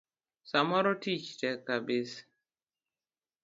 Samoro tich tek kabisa.